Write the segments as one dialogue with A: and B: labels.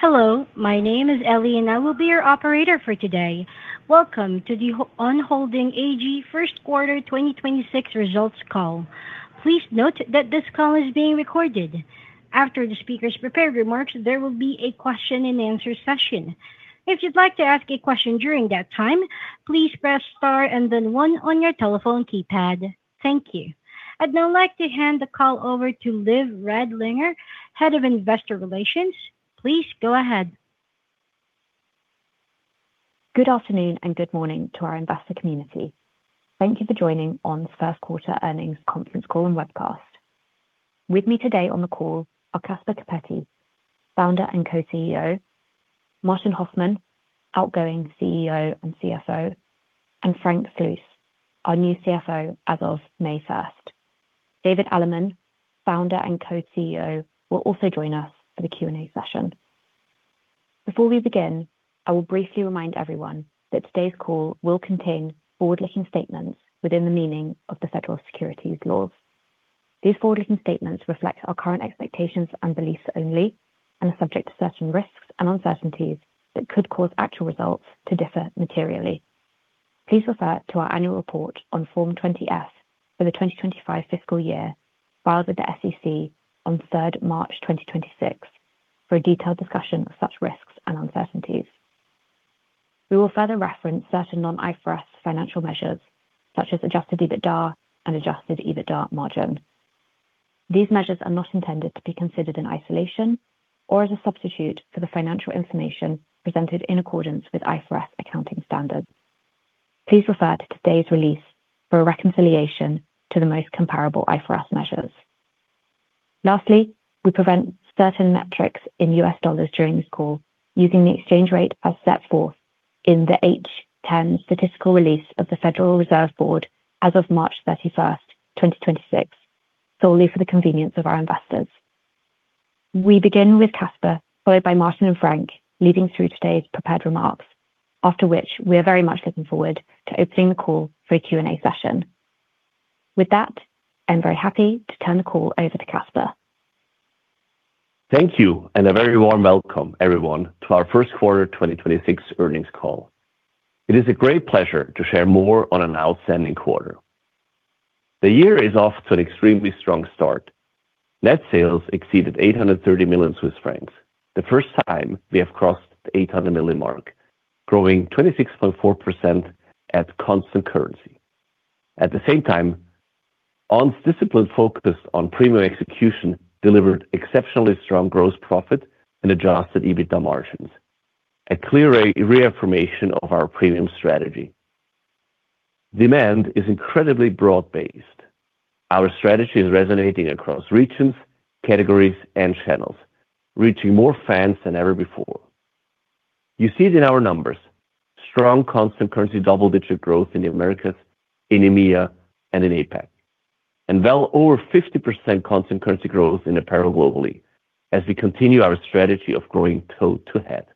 A: Hello, my name is Ellie and I will be your operator for today. Welcome to the On Holding AG First Quarter 2026 Results Call. Please note that this call is being recorded. After the speaker's prepared remarks, there will be a question and answer session. If you'd like to ask a question during that time, please press star and then one on your telephone keypad. Thank you. I'd now like to hand the call over to Liv Radlinger, Head of Investor Relations. Please go ahead.
B: Good afternoon and good morning to our investor community. Thank you for joining On's first quarter earnings conference call and webcast. With me today on the call are Caspar Coppetti, founder and co-CEO, Martin Hoffmann, outgoing CEO and CFO, and Frank Sluis, our new CFO as of May first. David Allemann, founder and co-CEO, will also join us for the Q&A session. Before we begin, I will briefly remind everyone that today's call will contain forward-looking statements within the meaning of the federal securities laws. These forward-looking statements reflect our current expectations and beliefs only and are subject to certain risks and uncertainties that could cause actual results to differ materially. Please refer to our annual report on Form 20-F for the 2025 fiscal year filed with the SEC on March 3, 2026 for a detailed discussion of such risks and uncertainties. We will further reference certain non-IFRS financial measures, such as adjusted EBITDA and adjusted EBITDA margin. These measures are not intended to be considered in isolation or as a substitute for the financial information presented in accordance with IFRS accounting standards. Please refer to today's release for a reconciliation to the most comparable IFRS measures. Lastly, we present certain metrics in US dollars during this call using the exchange rate as set forth in the H.10 statistical release of the Federal Reserve Board as of March 31st, 2026, solely for the convenience of our investors. We begin with Caspar, followed by Martin and Frank, leading through today's prepared remarks, after which we are very much looking forward to opening the call for a Q&A session. With that, I'm very happy to turn the call over to Caspar.
C: Thank you and a very warm welcome, everyone, to our first quarter 2026 earnings call. It is a great pleasure to share more on an outstanding quarter. The year is off to an extremely strong start. Net sales exceeded 830 million Swiss francs, the first time we have crossed the 800 million mark, growing 26.4% at constant currency. At the same time, On's disciplined focus on premium execution delivered exceptionally strong gross profit and adjusted EBITDA margins, a clear reaffirmation of our premium strategy. Demand is incredibly broad-based. Our strategy is resonating across regions, categories and channels, reaching more fans than ever before. You see it in our numbers, strong constant currency double-digit growth in the Americas, in EMEA and in APAC, and well over 50% constant currency growth in apparel globally as we continue our strategy of growing toe to head.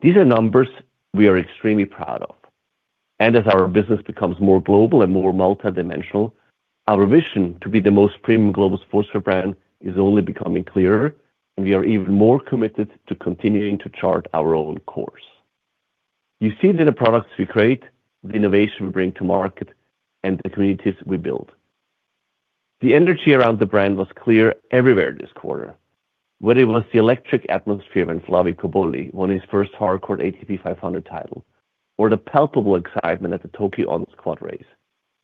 C: These are numbers we are extremely proud of. As our business becomes more global and more multidimensional, our vision to be the most premium global sportswear brand is only becoming clearer, and we are even more committed to continuing to chart our own course. You see it in the products we create, the innovation we bring to market, and the communities we build. The energy around the brand was clear everywhere this quarter, whether it was the electric atmosphere when Flavio Cobolli won his first hardcourt ATP 500 title, or the palpable excitement at the Tokyo On Squad Race,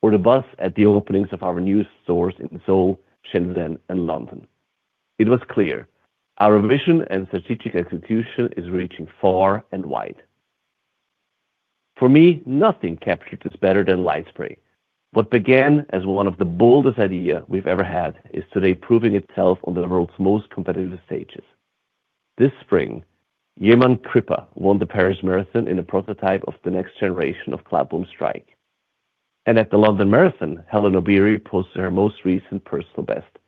C: or the buzz at the openings of our new stores in Seoul, Shenzhen, and London. It was clear our vision and strategic execution is reaching far and wide. For me, nothing captures this better than LightSpray. What began as one of the boldest idea we've ever had is today proving itself on the world's most competitive stages. This spring, Yeman Crippa won the Paris Marathon in a prototype of the next generation of Cloudboom Strike. At the London Marathon, Hellen Obiri posted her most recent personal best,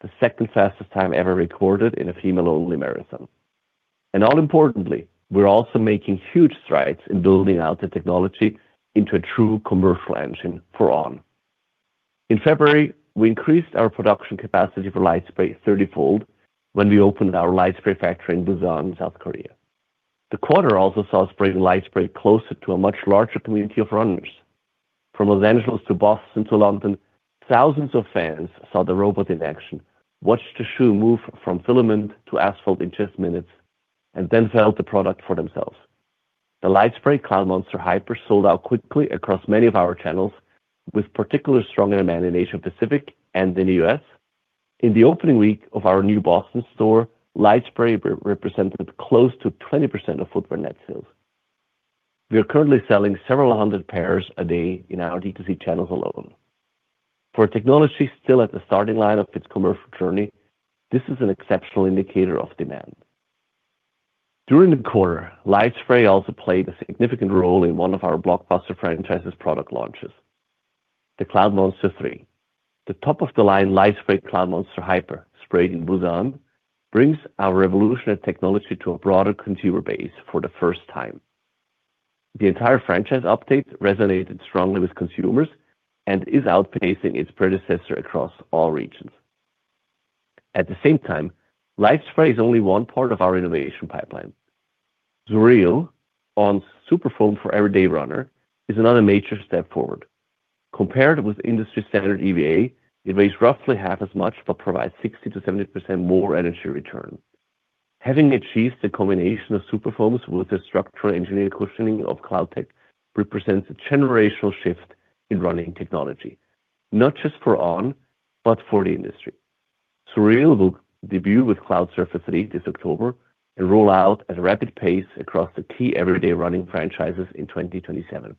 C: the 2nd fastest time ever recorded in a female-only marathon. Importantly, we're also making huge strides in building out the technology into a true commercial engine for On. In February, we increased our production capacity for LightSpray thirtyfold when we opened our LightSpray factory in Busan, South Korea. The quarter also saw us bringing LightSpray closer to a much larger community of runners. From Los Angeles to Boston to London, thousands of fans saw the robot in action, watched the shoe move from filament to asphalt in just minutes, and then felt the product for themselves. The LightSpray Cloudmonster Hyper sold out quickly across many of our channels, with particular strong demand in Asia Pacific and in the U.S. In the opening week of our new Boston store, LightSpray represented close to 20% of footwear net sales. We are currently selling several hundred pairs a day in our D2C channels alone. For a technology still at the starting line of its commercial journey, this is an exceptional indicator of demand. During the quarter, LightSpray also played a significant role in one of our blockbuster franchise's product launches, the Cloudmonster 3. The top-of-the-line LightSpray Cloudmonster Hyper, sprayed in Busan, brings our revolutionary technology to a broader consumer base for the first time. The entire franchise update resonated strongly with consumers and is outpacing its predecessor across all regions. At the same time, lifestyle is only one part of our innovation pipeline. SURREAL, On's superfoam for everyday runner, is another major step forward. Compared with industry-standard EVA, it weighs roughly half as much, but provides 60%-70% more energy return. Having achieved the combination of superfoams with the structural engineered cushioning of CloudTec represents a generational shift in running technology, not just for On, but for the industry. SURREAL will debut with Cloudsurfer 3 this October and roll out at a rapid pace across the key everyday running franchises in 2027.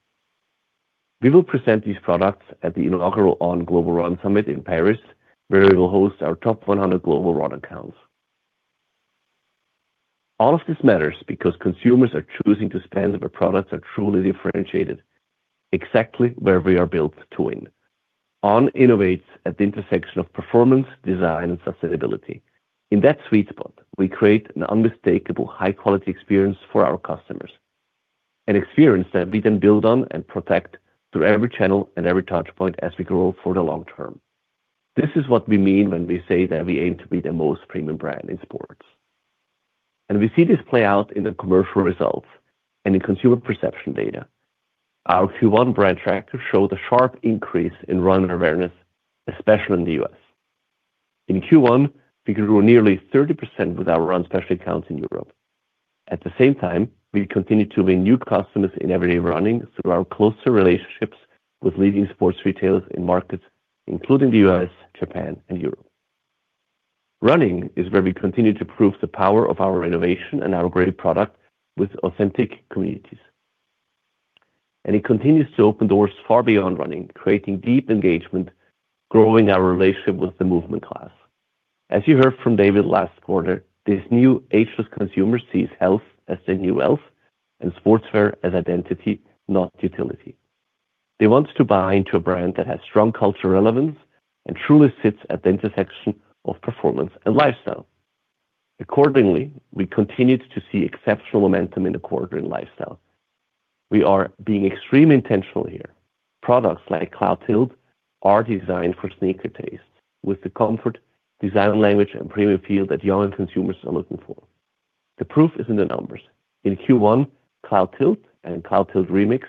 C: We will present these products at the inaugural On Global Summit in Paris, where we will host our top 100 global run accounts. All of this matters because consumers are choosing to spend if our products are truly differentiated, exactly where we are built to win. On innovates at the intersection of performance, design, and sustainability. In that sweet spot, we create an unmistakable high-quality experience for our customers. An experience that we then build on and protect through every channel and every touch point as we grow for the long term. This is what we mean when we say that we aim to be the most premium brand in sports. We see this play out in the commercial results and in consumer perception data. Our Q1 brand tracker showed a sharp increase in run awareness, especially in the U.S. In Q1, we grew nearly 30% with our Run Specialty accounts in Europe. At the same time, we continued to win new customers in everyday running through our closer relationships with leading sports retailers in markets, including the U.S., Japan, and Europe. Running is where we continue to prove the power of our innovation and our great product with authentic communities. It continues to open doors far beyond running, creating deep engagement, growing our relationship with the movement class. As you heard from David last quarter, this new ageless consumer sees health as the new wealth and sportswear as identity, not utility. They want to buy into a brand that has strong cultural relevance and truly sits at the intersection of performance and lifestyle. Accordingly, we continued to see exceptional momentum in the quarter in lifestyle. We are being extreme intentional here. Products like Cloudtilt are designed for sneaker tastes with the comfort, design language, and premium feel that young consumers are looking for. The proof is in the numbers. In Q1, Cloudtilt and Cloudtilt Remix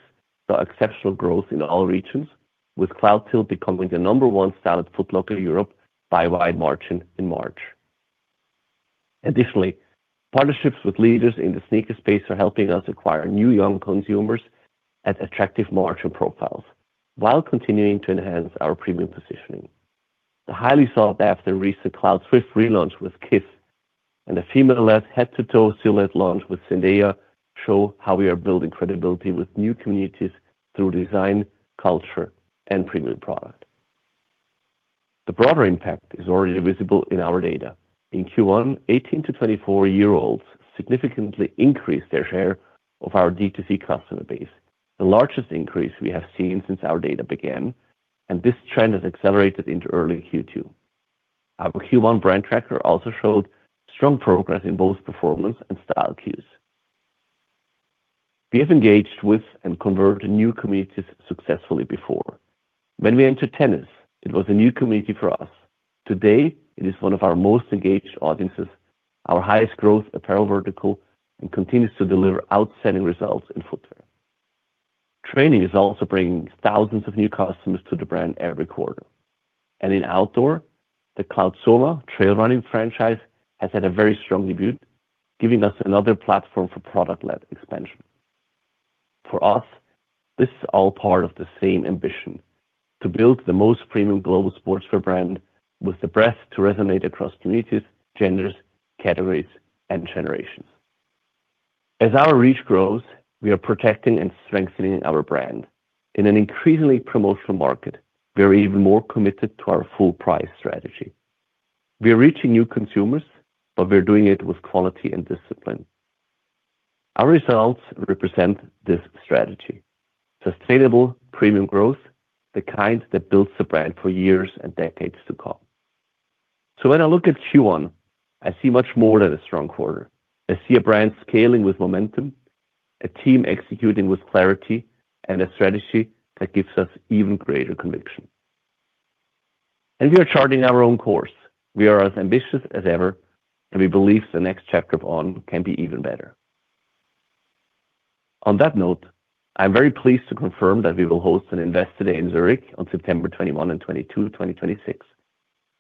C: saw exceptional growth in all regions, with Cloudtilt becoming the number one seller at Foot Locker Europe by wide margin in March. Additionally, partnerships with leaders in the sneaker space are helping us acquire new young consumers at attractive margin profiles while continuing to enhance our premium positioning. The highly sought-after recent Cloudswift relaunch with Kith and the female-led head-to-toe silhouette launch with Zendaya show how we are building credibility with new communities through design, culture, and premium product. The broader impact is already visible in our data. In Q1, 18-24-year-olds significantly increased their share of our D2C customer base, the largest increase we have seen since our data began, and this trend has accelerated into early Q2. Our Q1 brand tracker also showed strong progress in both performance and style cues. We have engaged with and converted new communities successfully before. When we entered tennis, it was a new community for us. Today, it is one of our most engaged audiences, our highest growth apparel vertical, and continues to deliver outstanding results in footwear. Training is also bringing thousands of new customers to the brand every quarter. In outdoor, the Cloudsole trail running franchise has had a very strong debut, giving us another platform for product-led expansion. For us, this is all part of the same ambition: to build the most premium global sportswear brand with the breadth to resonate across communities, genders, categories, and generations. As our reach grows, we are protecting and strengthening our brand. In an increasingly promotional market, we are even more committed to our full price strategy. We are reaching new consumers, but we are doing it with quality and discipline. Our results represent this strategy, sustainable premium growth, the kind that builds the brand for years and decades to come. When I look at Q1, I see much more than a strong quarter. I see a brand scaling with momentum, a team executing with clarity, and a strategy that gives us even greater conviction. We are charting our own course. We are as ambitious as ever, and we believe the next chapter of On can be even better. On that note, I'm very pleased to confirm that we will host an Investor Day in Zurich on September 21 and 22, 2026.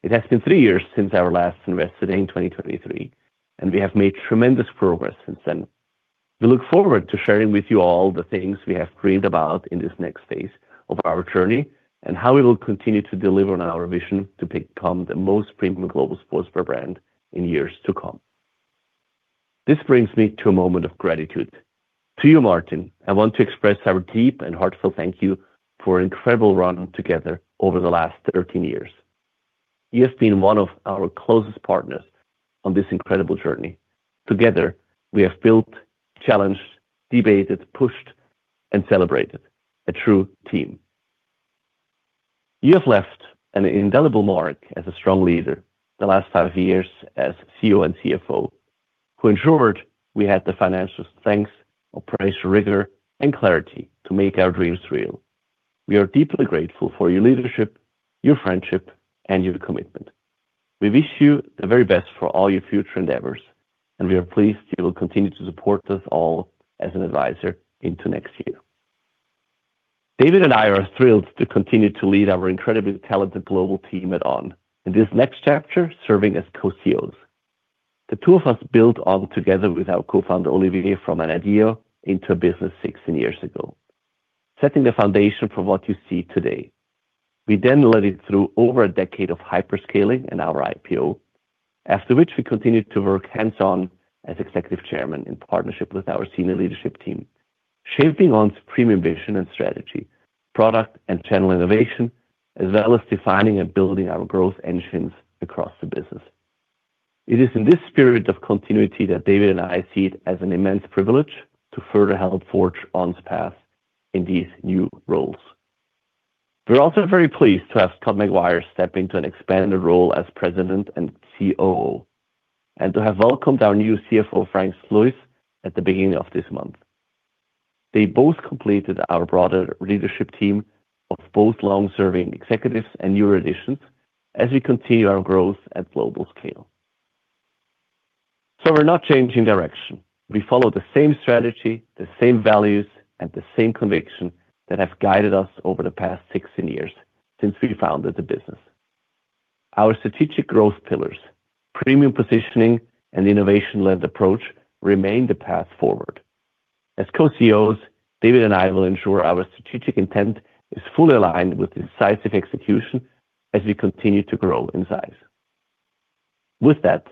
C: It has been three years since our last Investor Day in 2023, and we have made tremendous progress since then. We look forward to sharing with you all the things we have dreamed about in this next phase of our journey and how we will continue to deliver on our vision to become the most premium global sportswear brand in years to come. This brings me to a moment of gratitude. To you, Martin Hoffmann, I want to express our deep and heartfelt thank you for an incredible run together over the last 13 years. You have been one of our closest partners on this incredible journey. Together, we have built, challenged, debated, pushed, and celebrated. A true team. You have left an indelible mark as a strong leader the last five years as CEO and CFO, who ensured we had the financial strength, operational rigor, and clarity to make our dreams real. We are deeply grateful for your leadership, your friendship, and your commitment. We wish you the very best for all your future endeavors, and we are pleased you will continue to support us all as an advisor into next year. David Allemann and I are thrilled to continue to lead our incredibly talented global team at On in this next chapter, serving as co-CEOs. The two of us built On together with our co-founder, Olivier, from an idea into a business 16 years ago, setting the foundation for what you see today. We led it through over a decade of hyperscaling and our IPO, after which we continued to work hands-on as executive chairman in partnership with our senior leadership team, shaping On's premium vision and strategy, product and channel innovation, as well as defining and building our growth engines across the business. It is in this spirit of continuity that David and I see it as an immense privilege to further help forge On's path in these new roles. We're also very pleased to have Scott Maguire step into an expanded role as President and COO, and to have welcomed our new CFO, Frank Sluis, at the beginning of this month. They both completed our broader leadership team of both long-serving executives and newer additions as we continue our growth at global scale. We're not changing direction. We follow the same strategy, the same values, and the same conviction that have guided us over the past 16 years since we founded the business. Our strategic growth pillars, premium positioning, and innovation-led approach remain the path forward. As Co-CEOs, David and I will ensure our strategic intent is fully aligned with decisive execution as we continue to grow in size. With that,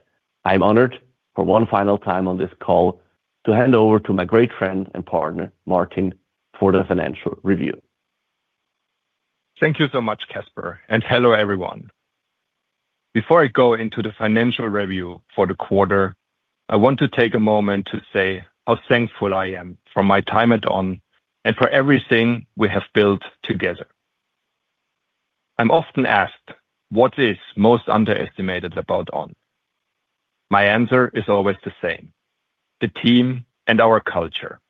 C: I'm honored for one final time on this call to hand over to my great friend and partner, Martin, for the financial review.
D: Thank you so much, Caspar, and hello, everyone. Before I go into the financial review for the quarter, I want to take a moment to say how thankful I am for my time at On and for everything we have built together. I'm often asked, "What is most underestimated about On?" My answer is always the same: the team and our culture.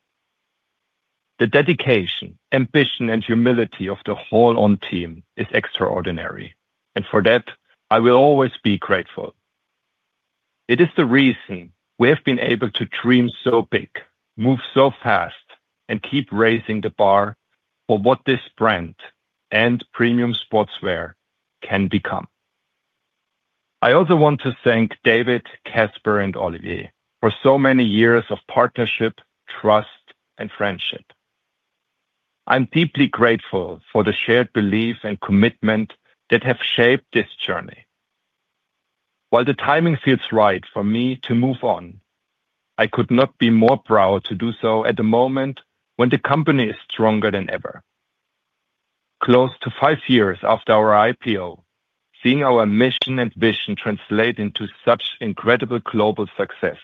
D: The dedication, ambition, and humility of the whole On team is extraordinary, and for that, I will always be grateful. It is the reason we have been able to dream so big, move so fast, and keep raising the bar for what this brand and premium sportswear can become. I also want to thank David, Caspar, and Olivier for so many years of partnership, trust, and friendship. I'm deeply grateful for the shared belief and commitment that have shaped this journey. While the timing feels right for me to move on, I could not be more proud to do so at the moment when the company is stronger than ever. Close to five years after our IPO, seeing our mission and vision translate into such incredible global success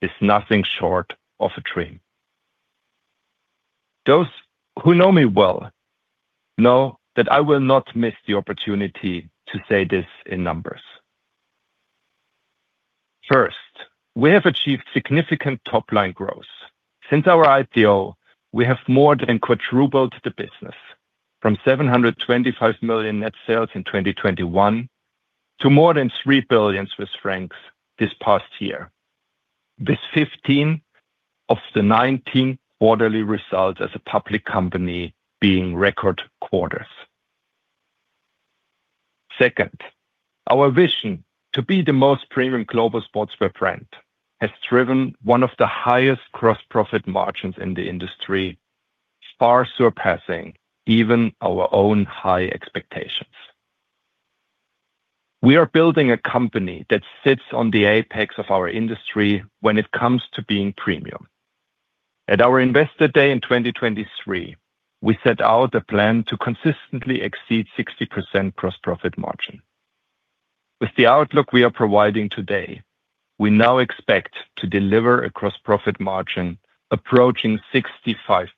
D: is nothing short of a dream. Those who know me well know that I will not miss the opportunity to say this in numbers. First, we have achieved significant top-line growth. Since our IPO, we have more than quadrupled the business from 725 million net sales in 2021 to more than 3 billion Swiss francs this past year, with 15 of the 19 quarterly results as a public company being record quarters. Second, our vision to be the most premium global sportswear brand has driven one of the highest gross profit margins in the industry, far surpassing even our own high expectations. We are building a company that sits on the apex of our industry when it comes to being premium. At our Investor Day in 2023, we set out a plan to consistently exceed 60% gross profit margin. With the outlook we are providing today, we now expect to deliver a gross profit margin approaching 65%.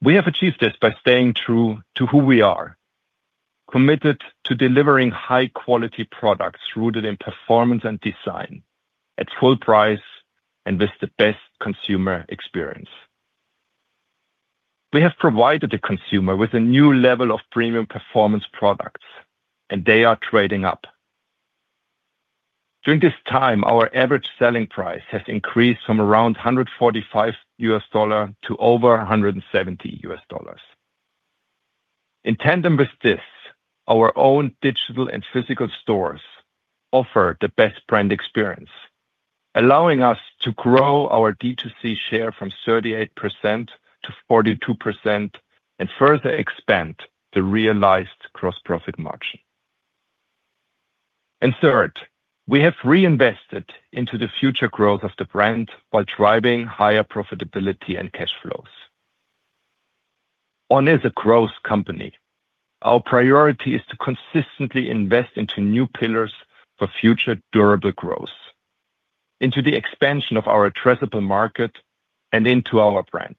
D: We have achieved this by staying true to who we are, committed to delivering high-quality products rooted in performance and design at full price and with the best consumer experience. We have provided the consumer with a new level of premium performance products, and they are trading up. During this time, our average selling price has increased from around $145 to over $170. In tandem with this, our own digital and physical stores offer the best brand experience, allowing us to grow our D2C share from 38% to 42% and further expand the realized gross profit margin. Third, we have reinvested into the future growth of the brand while driving higher profitability and cash flows. On is a growth company. Our priority is to consistently invest into new pillars for future durable growth. Into the expansion of our addressable market and into our brand,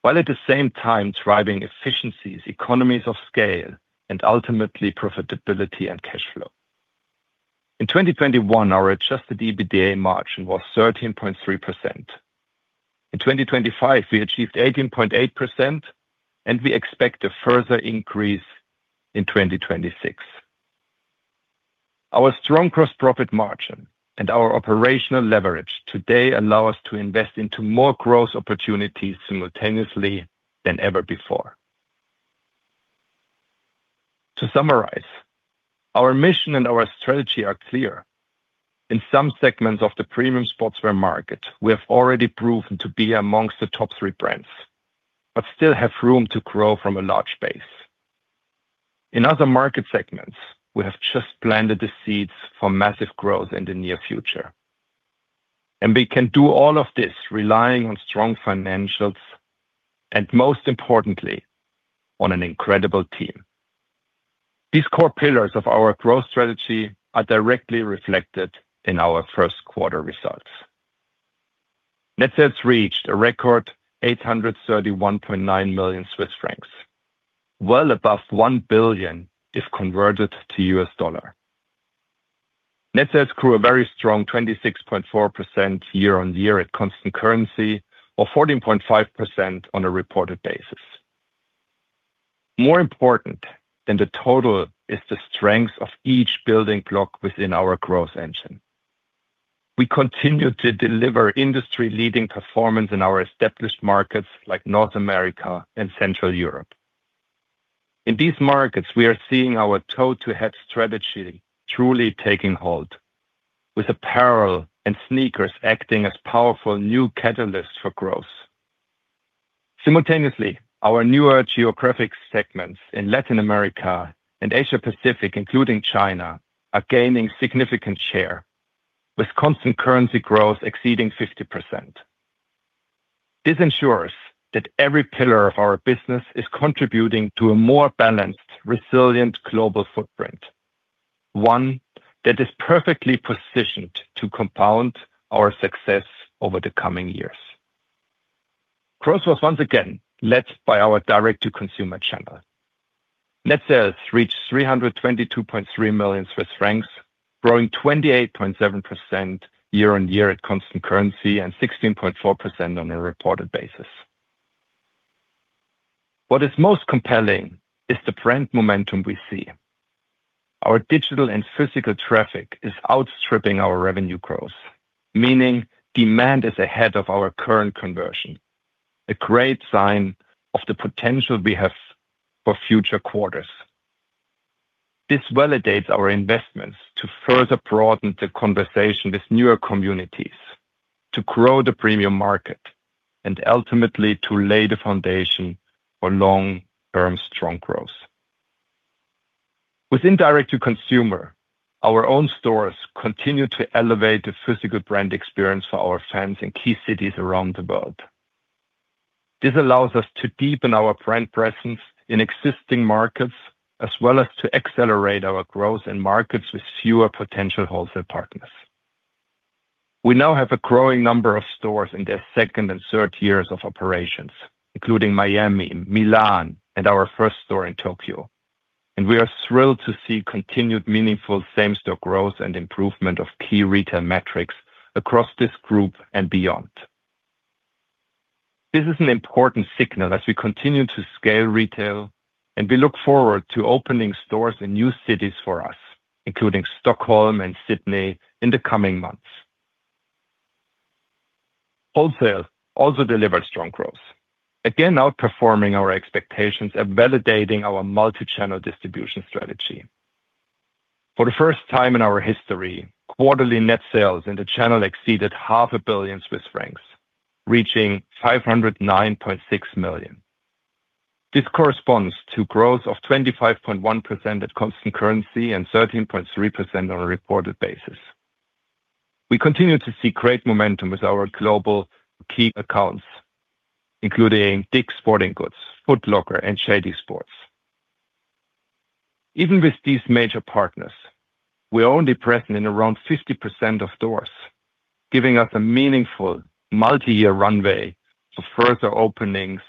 D: while at the same time driving efficiencies, economies of scale, and ultimately profitability and cash flow. In 2021, our adjusted EBITDA margin was 13.3%. In 2025, we achieved 18.8%. We expect a further increase in 2026. Our strong gross profit margin and our operational leverage today allow us to invest into more growth opportunities simultaneously than ever before. To summarize, our mission and our strategy are clear. In some segments of the premium sportswear market, we have already proven to be amongst the top three brands, but still have room to grow from a large base. In other market segments, we have just planted the seeds for massive growth in the near future. We can do all of this relying on strong financials, and most importantly, on an incredible team. These core pillars of our growth strategy are directly reflected in our first quarter results. Net sales reached a record 831.9 million Swiss francs. Well above $1 billion if converted to USD. Net sales grew a very strong 26.4% year-on-year at constant currency or 14.5% on a reported basis. More important than the total is the strength of each building block within our growth engine. We continue to deliver industry-leading performance in our established markets like North America and Central Europe. In these markets, we are seeing our toe to head strategy truly taking hold with apparel and sneakers acting as powerful new catalysts for growth. Simultaneously, our newer geographic segments in Latin America and Asia Pacific, including China, are gaining significant share with constant currency growth exceeding 50%. This ensures that every pillar of our business is contributing to a more balanced, resilient global footprint, one that is perfectly positioned to compound our success over the coming years. Growth was once again led by our D2C channel. Net sales reached 322.3 million Swiss francs, growing 28.7% year-over-year at constant currency and 16.4% on a reported basis. What is most compelling is the brand momentum we see. Our digital and physical traffic is outstripping our revenue growth, meaning demand is ahead of our current conversion, a great sign of the potential we have for future quarters. This validates our investments to further broaden the conversation with newer communities to grow the premium market and ultimately to lay the foundation for long-term strong growth. Within direct to consumer, our own stores continue to elevate the physical brand experience for our fans in key cities around the world. This allows us to deepen our brand presence in existing markets as well as to accelerate our growth in markets with fewer potential wholesale partners. We now have a growing number of stores in their second and third years of operations, including Miami, Milan, and our first store in Tokyo. We are thrilled to see continued meaningful same store growth and improvement of key retail metrics across this group and beyond. This is an important signal as we continue to scale retail, and we look forward to opening stores in new cities for us, including Stockholm and Sydney in the coming months. Wholesale also delivered strong growth, again outperforming our expectations and validating our multi-channel distribution strategy. For the first time in our history, quarterly net sales in the channel exceeded half a billion Swiss francs, reaching 509.6 million. This corresponds to growth of 25.1% at constant currency and 13.3% on a reported basis. We continue to see great momentum with our global key accounts, including Dick's Sporting Goods, Foot Locker, and JD Sports. Even with these major partners, we are only present in around 50% of stores, giving us a meaningful multi-year runway for further openings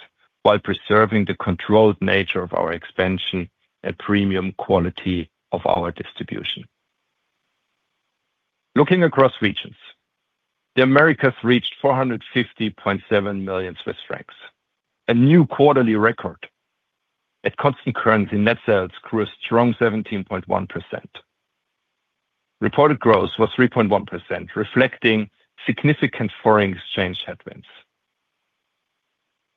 D: while preserving the controlled nature of our expansion and premium quality of our distribution. Looking across regions, the Americas reached 450.7 million Swiss francs, a new quarterly record. At constant currency, net sales grew a strong 17.1%. Reported growth was 3.1%, reflecting significant foreign exchange headwinds.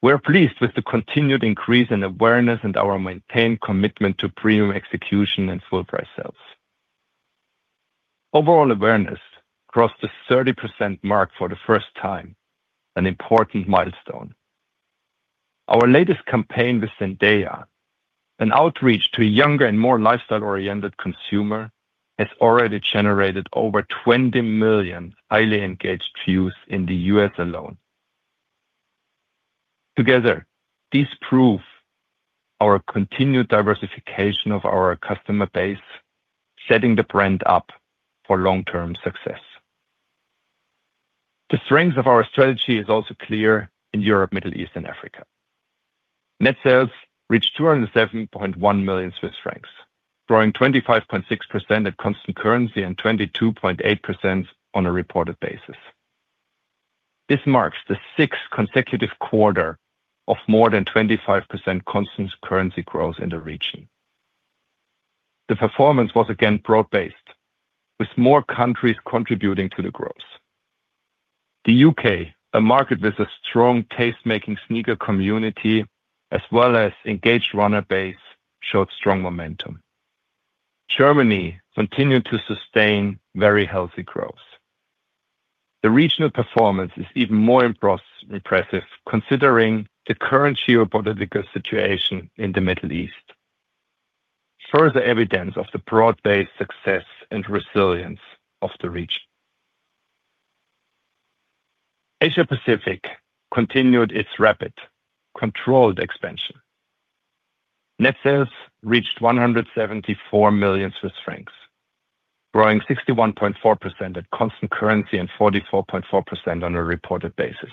D: We're pleased with the continued increase in awareness and our maintained commitment to premium execution and full price sales. Overall awareness crossed the 30% mark for the first time, an important milestone. Our latest campaign with Zendaya, an outreach to a younger and more lifestyle-oriented consumer, has already generated over 20 million highly engaged views in the U.S. alone. Together, these prove our continued diversification of our customer base, setting the brand up for long-term success. The strength of our strategy is also clear in Europe, Middle East, and Africa. Net sales reached 207.1 million Swiss francs, growing 25.6% at constant currency and 22.8% on a reported basis. This marks the sixth consecutive quarter of more than 25% constant currency growth in the region. The performance was again broad-based, with more countries contributing to the growth. The U.K., a market with a strong taste-making sneaker community, as well as engaged runner base, showed strong momentum. Germany continued to sustain very healthy growth. The regional performance is even more impressive considering the current geopolitical situation in the Middle East. Further evidence of the broad-based success and resilience of the region. Asia-Pacific continued its rapid controlled expansion. Net sales reached 174 million Swiss francs, growing 61.4% at constant currency and 44.4% on a reported basis.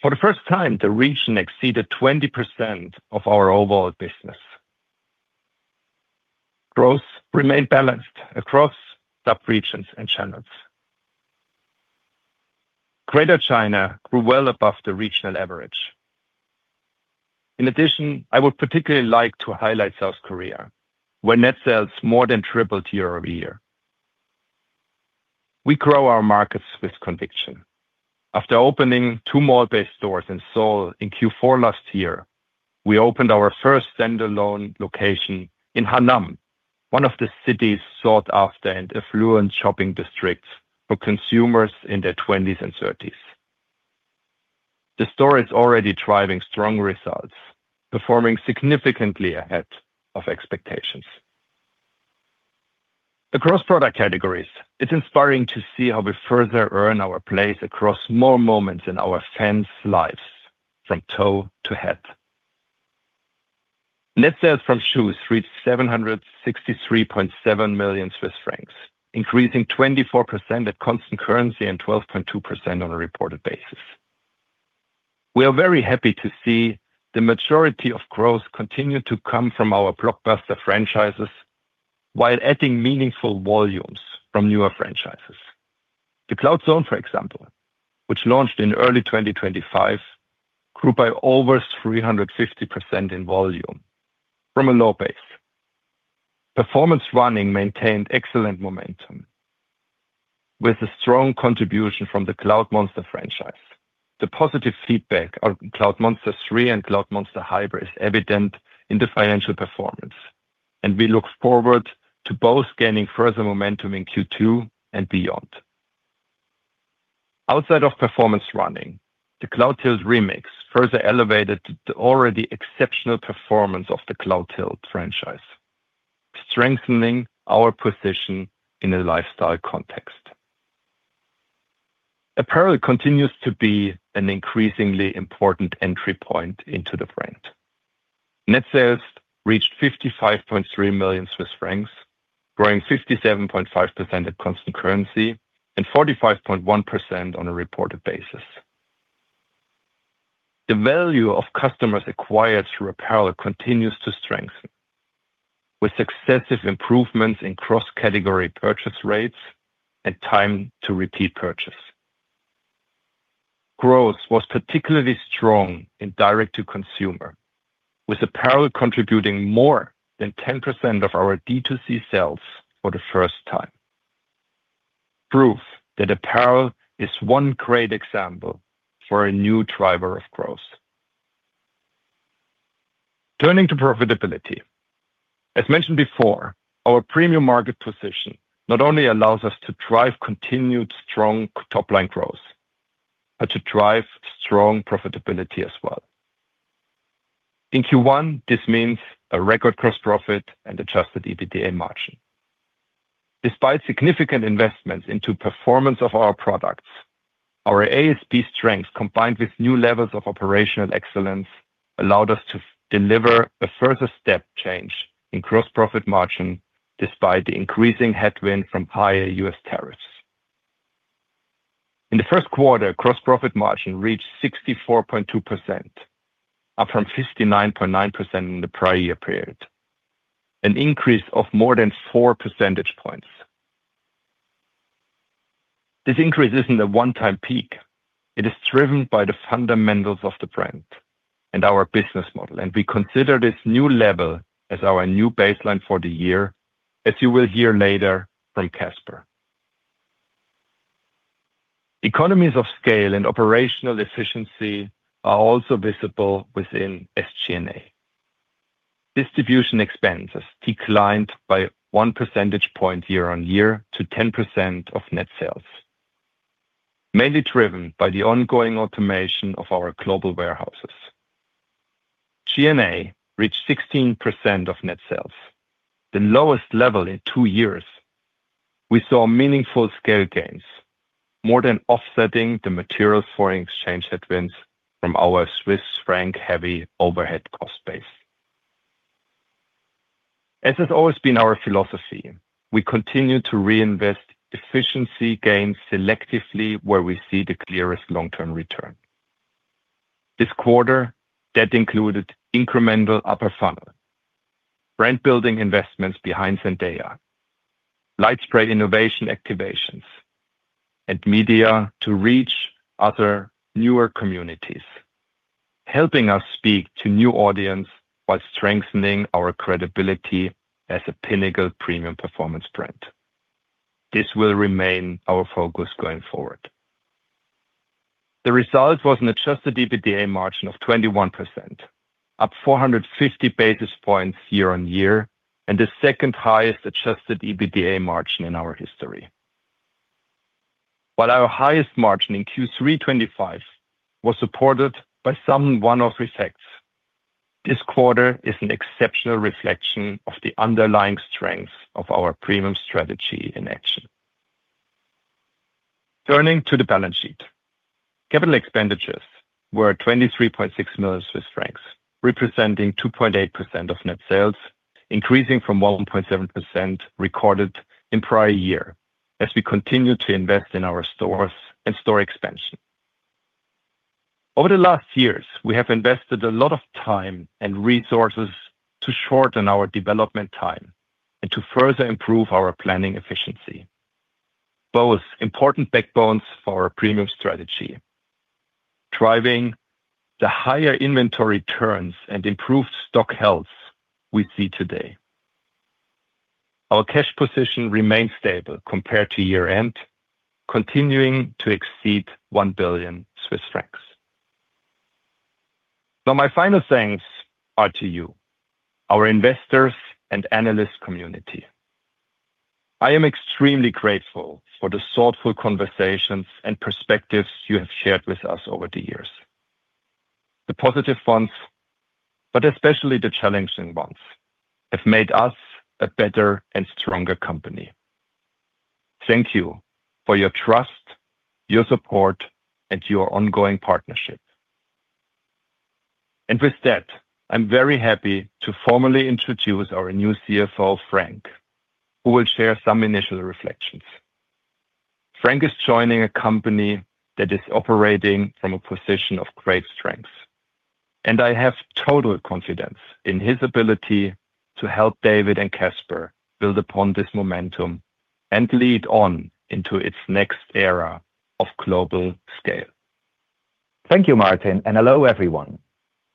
D: For the first time, the region exceeded 20% of our overall business. Growth remained balanced across subregions and channels. Greater China grew well above the regional average. In addition, I would particularly like to highlight South Korea, where net sales more than tripled year-over-year. We grow our markets with conviction. After opening two mall-based stores in Seoul in Q4 last year, we opened our first standalone location in Hanam, one of the city's sought-after and affluent shopping districts for consumers in their twenties and thirties. The store is already driving strong results, performing significantly ahead of expectations. Across product categories, it's inspiring to see how we further earn our place across more moments in our fans' lives from toe to head. Net sales from shoes reached 763.7 million Swiss francs, increasing 24% at constant currency and 12.2% on a reported basis. We are very happy to see the majority of growth continue to come from our blockbuster franchises while adding meaningful volumes from newer franchises. The Cloudzone, for example, which launched in early 2025, grew by over 350% in volume from a low base. Performance running maintained excellent momentum with a strong contribution from the Cloudmonster franchise. The positive feedback on Cloudmonster 3 and Cloudmonster Hyper is evident in the financial performance, and we look forward to both gaining further momentum in Q2 and beyond. Outside of performance running, the Cloudtilt Remix further elevated the already exceptional performance of the Cloudtilt franchise, strengthening our position in a lifestyle context. Apparel continues to be an increasingly important entry point into the brand. Net sales reached 55.3 million Swiss francs, growing 57.5% at constant currency and 45.1% on a reported basis. The value of customers acquired through apparel continues to strengthen with successive improvements in cross-category purchase rates and time to repeat purchase. Growth was particularly strong in direct-to-consumer, with apparel contributing more than 10% of our D2C sales for the first time. Proof that apparel is one great example for a new driver of growth. Turning to profitability. As mentioned before, our premium market position not only allows us to drive continued strong top-line growth, but to drive strong profitability as well. In Q1, this means a record gross profit and adjusted EBITDA margin. Despite significant investments into performance of our products, our ASP strength, combined with new levels of operational excellence, allowed us to deliver a further step change in gross profit margin despite the increasing headwind from higher U.S. tariffs. In the first quarter, gross profit margin reached 64.2%, up from 59.9% in the prior year period, an increase of more than four percentage points. This increase isn't a one-time peak. It is driven by the fundamentals of the brand and our business model. We consider this new level as our new baseline for the year, as you will hear later from Caspar. Economies of scale and operational efficiency are also visible within SG&A. Distribution expenses declined by 1 percentage point year-over-year to 10% of net sales, mainly driven by the ongoing automation of our global warehouses. G&A reached 16% of net sales, the lowest level in two years. We saw meaningful scale gains, more than offsetting the material foreign exchange headwinds from our Swiss franc-heavy overhead cost base. As has always been our philosophy, we continue to reinvest efficiency gains selectively where we see the clearest long-term return. This quarter, that included incremental upper funnel, brand-building investments behind Zendaya, LightSpray innovation activations, and media to reach other newer communities, helping us speak to new audience while strengthening our credibility as a pinnacle premium performance brand. This will remain our focus going forward. The result was an adjusted EBITDA margin of 21%, up 450 basis points year on year, and the second highest adjusted EBITDA margin in our history. While our highest margin in Q3 2025 was supported by some one-off effects, this quarter is an exceptional reflection of the underlying strength of our premium strategy in action. Turning to the balance sheet, capital expenditures were 23.6 million Swiss francs, representing 2.8% of net sales, increasing from 1.7% recorded in prior year as we continue to invest in our stores and store expansion. Over the last years, we have invested a lot of time and resources to shorten our development time and to further improve our planning efficiency. Both important backbones for our premium strategy, driving the higher inventory turns and improved stock health we see today. Our cash position remains stable compared to year-end, continuing to exceed CHF 1 billion. Now, my final thanks are to you, our investors and analyst community. I am extremely grateful for the thoughtful conversations and perspectives you have shared with us over the years. The positive ones, but especially the challenging ones, have made us a better and stronger company. Thank you for your trust, your support, and your ongoing partnership. With that, I'm very happy to formally introduce our new CFO, Frank, who will share some initial reflections. Frank is joining a company that is operating from a position of great strength, and I have total confidence in his ability to help David and Caspar build upon this momentum and lead On into its next era of global scale.
E: Thank you, Martin, and hello, everyone.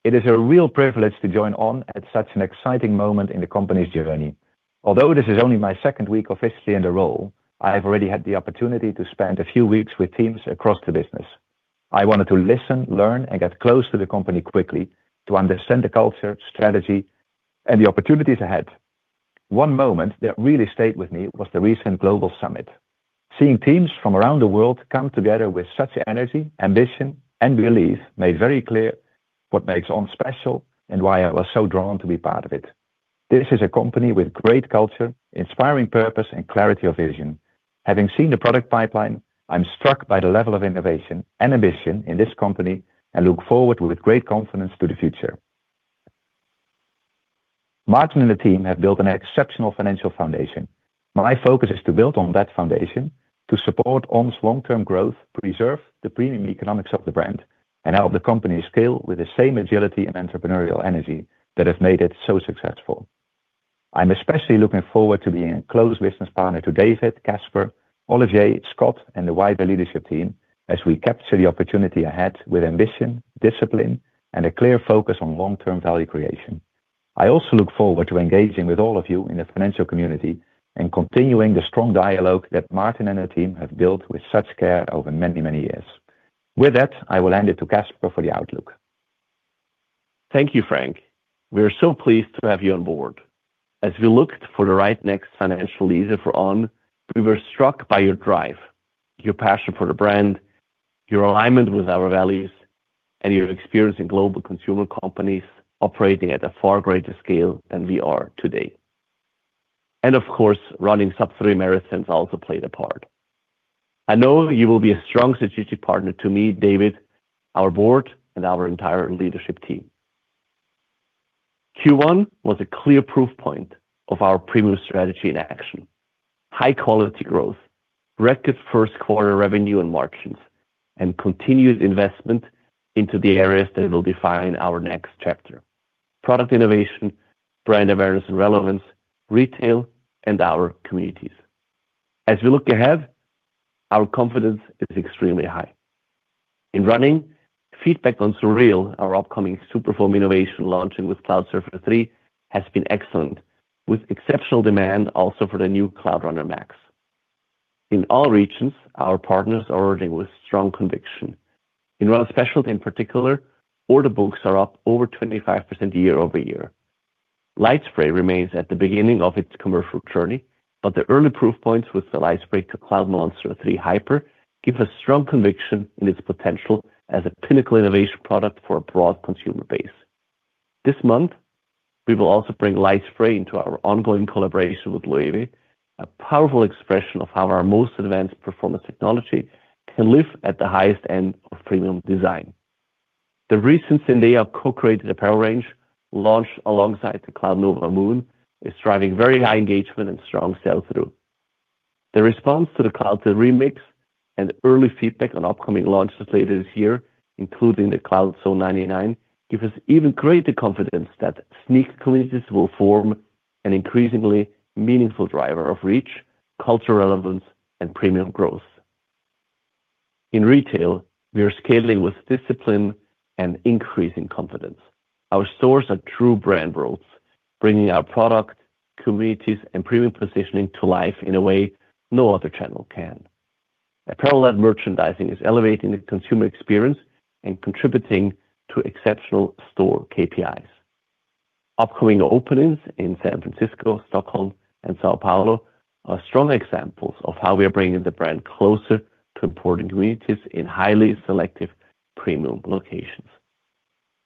E: It is a real privilege to join On at such an exciting moment in the company's journey. Although this is only my second week officially in the role, I have already had the opportunity to spend a few weeks with teams across the business. I wanted to listen, learn, and get close to the company quickly to understand the culture, strategy, and the opportunities ahead. One moment that really stayed with me was the recent On Global Summit. Seeing teams from around the world come together with such energy, ambition, and belief made very clear what makes On special and why I was so drawn to be part of it. This is a company with great culture, inspiring purpose, and clarity of vision. Having seen the product pipeline, I'm struck by the level of innovation and ambition in this company and look forward with great confidence to the future. Martin Hoffmann and the team have built an exceptional financial foundation. My focus is to build on that foundation to support On's long-term growth, preserve the premium economics of the brand, and help the company scale with the same agility and entrepreneurial energy that have made it so successful. I'm especially looking forward to being a close business partner to David, Caspar, Olivier, Scott, and the wider leadership team as we capture the opportunity ahead with ambition, discipline, and a clear focus on long-term value creation. I also look forward to engaging with all of you in the financial community and continuing the strong dialogue that Martin Hoffmann and the team have built with such care over many, many years. With that, I will hand it to Caspar for the outlook.
C: Thank you, Frank. We are so pleased to have you on board. As we looked for the right next financial leader for On, we were struck by your drive, your passion for the brand, your alignment with our values, and your experience in global consumer companies operating at a far greater scale than we are today. Of course, running sub three marathons also played a part. I know you will be a strong strategic partner to me, David, our board, and our entire leadership team. Q1 was a clear proof point of our premium strategy in action. High-quality growth, record first quarter revenue and margins, continued investment into the areas that will define our next chapter, product innovation, brand awareness and relevance, retail, and our communities. As we look ahead, our confidence is extremely high. In running, feedback on SURREAL, our upcoming Superfoam innovation launching with Cloudsurfer 3, has been excellent, with exceptional demand also for the new Cloudrunner Max. In all regions, our partners are ordering with strong conviction. In Run Specialty in particular, order books are up over 25% year-over-year. LightSpray remains at the beginning of its commercial journey, but the early proof points with the LightSpray to Cloudmonster 3 Hyper give us strong conviction in its potential as a pinnacle innovation product for a broad consumer base. This month, we will also bring LightSpray into our ongoing collaboration with Louis V, a powerful expression of how our most advanced performance technology can live at the highest end of premium design. The recent Zendaya co-created apparel range, launched alongside the Cloudnova Moon, is driving very high engagement and strong sell-through. The response to the Cloudtilt Remix and early feedback on upcoming launches later this year, including the Cloudflash S.O. 99.19, give us even greater confidence that sneaker collections will form an increasingly meaningful driver of reach, cultural relevance, and premium growth. In retail, we are scaling with discipline and increasing confidence. Our stores are true brand worlds, bringing our product, communities, and premium positioning to life in a way no other channel can. Apparel-led merchandising is elevating the consumer experience and contributing to exceptional store KPIs. Upcoming openings in San Francisco, Stockholm, and São Paulo are strong examples of how we are bringing the brand closer to important communities in highly selective premium locations.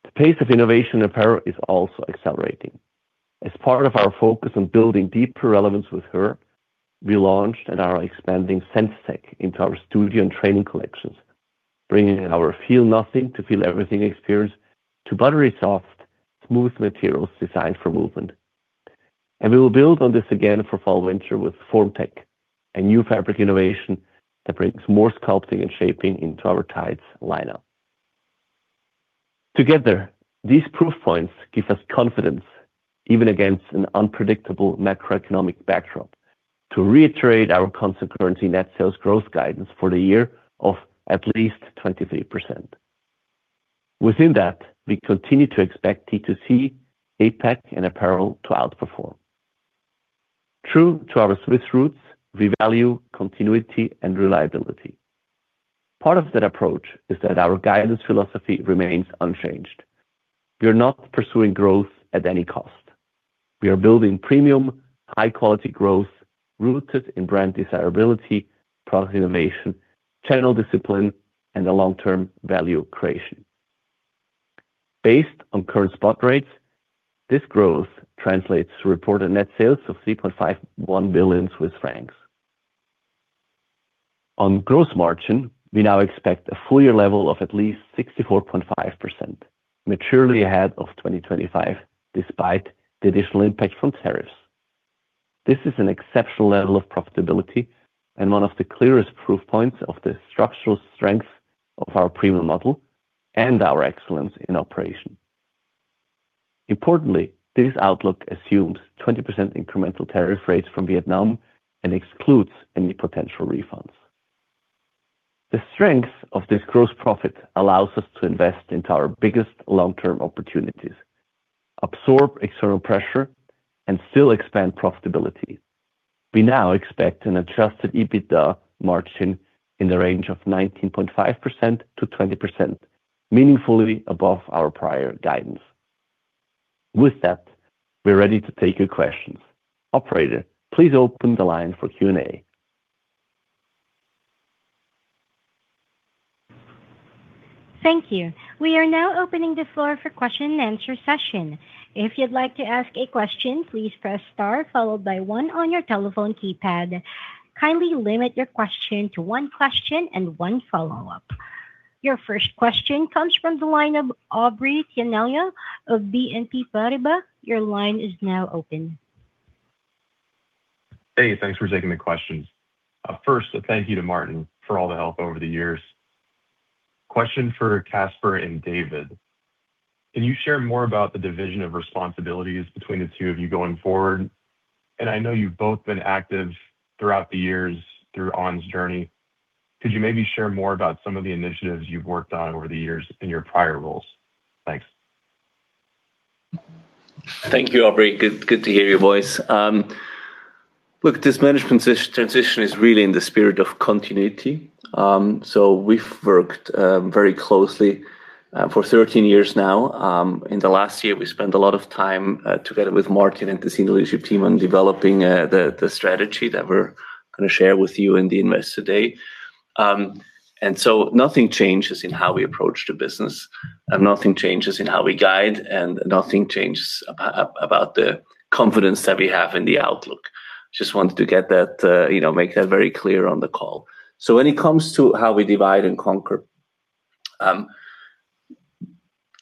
C: The pace of innovation in apparel is also accelerating. As part of our focus on building deeper relevance with her, we launched and are expanding SenseTec into our studio and training collections, bringing our feel nothing to feel everything experience to buttery soft, smooth materials designed for movement. We will build on this again for fall/winter with FormTech, a new fabric innovation that brings more sculpting and shaping into our tights lineup. Together, these proof points give us confidence, even against an unpredictable macroeconomic backdrop, to reiterate our constant currency net sales growth guidance for the year of at least 23%. Within that, we continue to expect D2C, APAC, and apparel to outperform. True to our Swiss roots, we value continuity and reliability. Part of that approach is that our guidance philosophy remains unchanged. We are not pursuing growth at any cost. We are building premium, high-quality growth rooted in brand desirability, product innovation, channel discipline, and a long-term value creation. Based on current spot rates, this growth translates to reported net sales of 3.51 billion Swiss francs. On gross margin, we now expect a full-year level of at least 64.5%, maturely ahead of 2025, despite the additional impact from tariffs. This is an exceptional level of profitability and one of the clearest proof points of the structural strength of our premium model and our excellence in operation. Importantly, this outlook assumes 20% incremental tariff rates from Vietnam and excludes any potential refunds. The strength of this gross profit allows us to invest into our biggest long-term opportunities, absorb external pressure, and still expand profitability. We now expect an adjusted EBITDA margin in the range of 19.5%-20%, meaningfully above our prior guidance. With that, we're ready to take your questions. Operator, please open the line for Q&A.
A: Thank you. We are now opening the floor for question and answer session. If you'd like to ask a question, please press star followed by one on your telephone keypad. Kindly limit your question to one question and one follow-up. Your first question comes from the line of Aubrey Tianello of BNP Paribas. Your line is now open.
F: Hey, thanks for taking the questions. First, a thank you to Martin Hoffmann for all the help over the years. Question for Caspar and David. Can you share more about the division of responsibilities between the two of you going forward? I know you've both been active throughout the years through On's journey. Could you maybe share more about some of the initiatives you've worked on over the years in your prior roles? Thanks.
C: Thank you, Aubrey. Good to hear your voice. Look, this management transition is really in the spirit of continuity. We've worked very closely for 13 years now. In the last year, we spent a lot of time together with Martin and the senior leadership team on developing the strategy that we're going to share with you and the investors today. Nothing changes in how we approach the business, and nothing changes in how we guide, and nothing changes about the confidence that we have in the outlook. Just wanted to get that, you know, make that very clear on the call. When it comes to how we divide and conquer,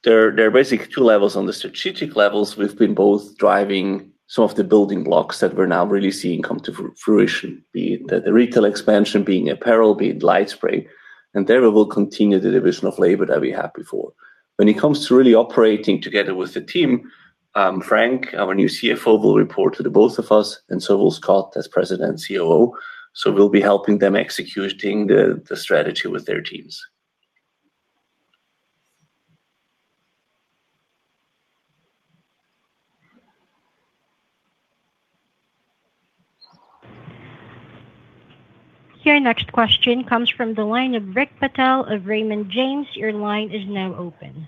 C: there are basically two levels. On the strategic levels, we've been both driving some of the building blocks that we're now really seeing come to fruition, be it the retail expansion, being apparel, being LightSpray. There we will continue the division of labor that we had before. When it comes to really operating together with the team, Frank, our new CFO, will report to the both of us, and so will Scott as President and COO. We'll be helping them executing the strategy with their teams.
A: Your next question comes from the line of Rick Patel of Raymond James. Your line is now open.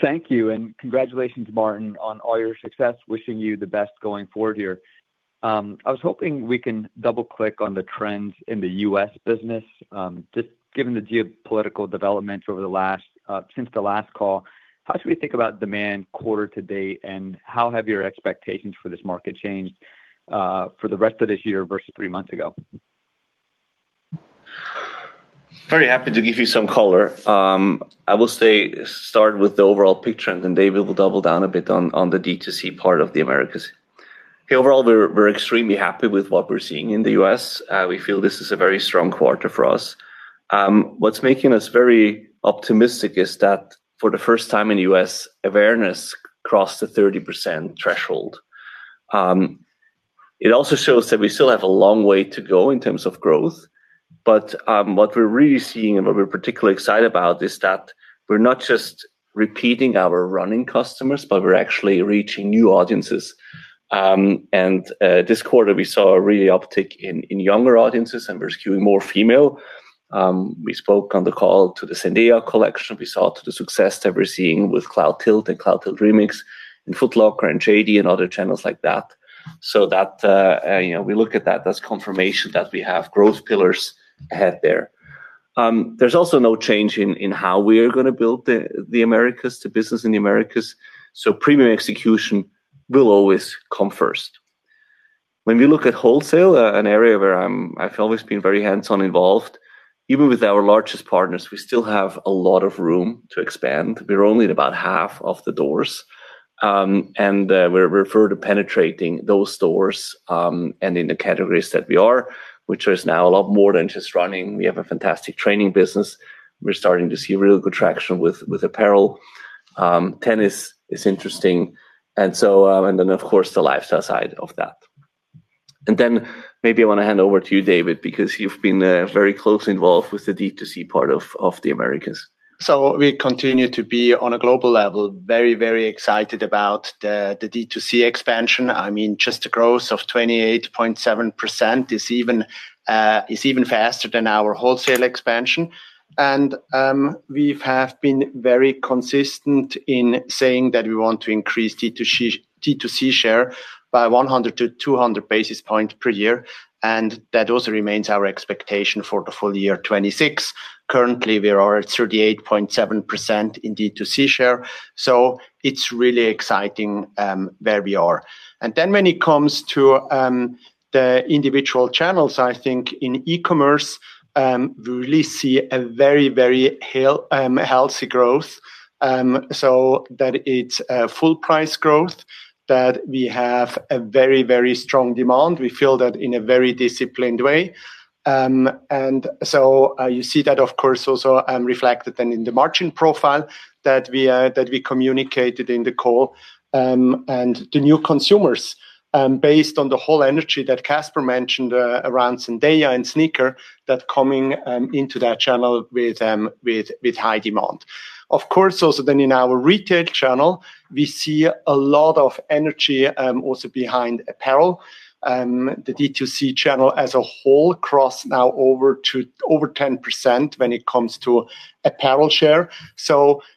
G: Thank you, and congratulations, Martin, on all your success. Wishing you the best going forward here. I was hoping we can double-click on the trends in the U.S. business, just given the geopolitical developments over the last since the last call. How should we think about demand quarter to date, and how have your expectations for this market changed for the rest of this year versus three months ago?
C: Very happy to give you some color. I will say, start with the overall picture, and then David Allemann will double down a bit on the D2C part of the Americas. Overall, we're extremely happy with what we're seeing in the U.S. We feel this is a very strong quarter for us. What's making us very optimistic is that for the first time in the U.S., awareness crossed the 30% threshold. It also shows that we still have a long way to go in terms of growth. What we're really seeing and what we're particularly excited about is that we're not just repeating our running customers, but we're actually reaching new audiences. This quarter, we saw a really uptick in younger audiences, and we're skewing more female. We spoke on the call to the Zendaya collection. We saw to the success that we're seeing with Cloudtilt and Cloudtilt Remix in Foot Locker and JD and other channels like that. That, you know, we look at that as confirmation that we have growth pillars ahead there. There's also no change in how we are gonna build the Americas, the business in the Americas, premium execution will always come first. When we look at wholesale, an area where I've always been very hands-on involved, even with our largest partners, we still have a lot of room to expand. We're only at about half of the doors, and we're further penetrating those stores, and in the categories that we are, which is now a lot more than just running. We have a fantastic training business. We're starting to see really good traction with apparel. Tennis is interesting and so, and then of course the lifestyle side of that. Maybe I wanna hand over to you, David, because you've been very closely involved with the D2C part of the Americas.
H: We continue to be, on a global level, very, very excited about the D2C expansion. just the growth of 28.7% is even faster than our wholesale expansion. we've have been very consistent in saying that we want to increase D2C share by 100 to 200 basis points per year, and that also remains our expectation for the full year 2026. Currently, we are at 38.7% in D2C share, so it's really exciting where we are. when it comes to the individual channels, I think in e-commerce, we really see a very, very healthy growth, so that it's full price growth, that we have a very, very strong demand. We feel that in a very disciplined way. You see that, of course, also reflected then in the margin profile that we communicated in the call. The new consumers, based on the whole energy that Caspar Coppetti mentioned, around Zendaya and sneaker, that coming into that channel with high demand. Of course, also then in our retail channel, we see a lot of energy, also behind apparel. The D2C channel as a whole crossed now over to over 10% when it comes to apparel share.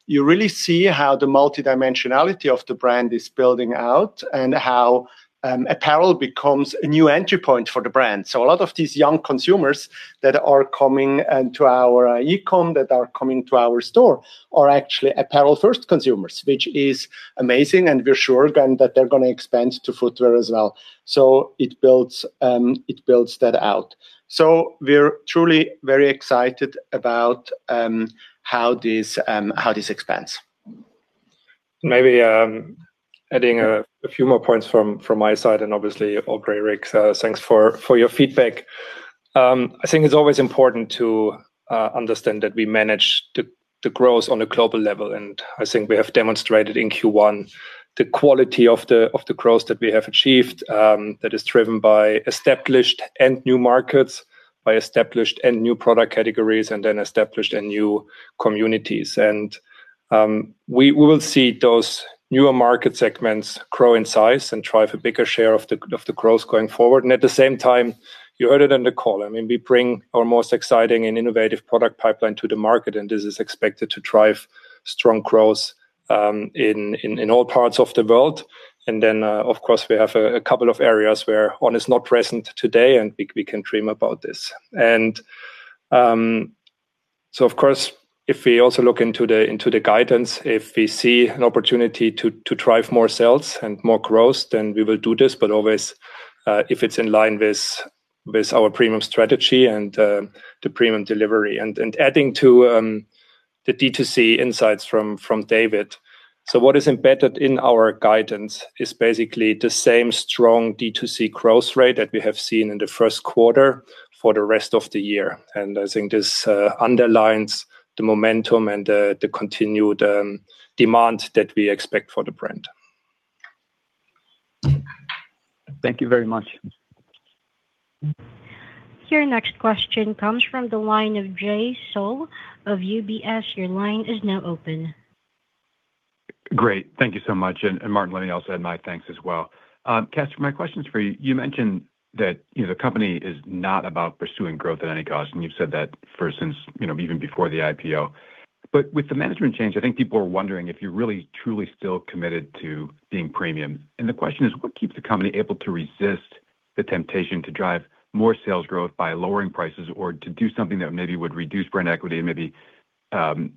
H: You really see how the multidimensionality of the brand is building out and how apparel becomes a new entry point for the brand. A lot of these young consumers that are coming to our e-com, that are coming to our store are actually apparel-first consumers, which is amazing, and we're sure, again, that they're gonna expand to footwear as well. It builds that out. We're truly very excited about how this expands.
D: Maybe, adding a few more points from my side, and obviously all great, Rick, so thanks for your feedback. I think it's always important to understand that we manage the growth on a global level, and I think we have demonstrated in Q1 the quality of the growth that we have achieved, that is driven by established and new markets, by established and new product categories, and then established and new communities. We will see those newer market segments grow in size and drive a bigger share of the growth going forward. At the same time, you heard it on the call. I mean, we bring our most exciting and innovative product pipeline to the market, and this is expected to drive strong growth in all parts of the world. Of course, we have a couple of areas where On is not present today, and we can dream about this. Of course, if we also look into the guidance, if we see an opportunity to drive more sales and more growth, then we will do this. Always, if it's in line with our premium strategy and the premium delivery. Adding to the D2C insights from David Allemann, what is embedded in our guidance is basically the same strong D2C growth rate that we have seen in the first quarter for the rest of the year. I think this underlines the momentum and the continued demand that we expect for the brand.
G: Thank you very much.
A: Your next question comes from the line of Jay Sole of UBS. Your line is now open.
I: Great. Thank you so much. Martin, let me also add my thanks as well. Caspar, my question's for you. You mentioned that, you know, the company is not about pursuing growth at any cost, and you've said that for since, you know, even before the IPO. With the management change, I think people are wondering if you're really truly still committed to being premium. The question is: What keeps the company able to resist the temptation to drive more sales growth by lowering prices or to do something that maybe would reduce brand equity and maybe